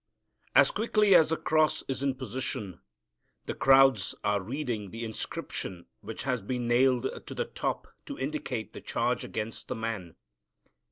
As quickly as the cross is in position the crowds are reading the inscription which has been nailed to the top to indicate the charge against the man.